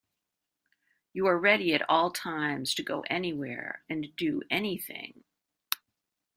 You are ready at all times to go anywhere, and do anything.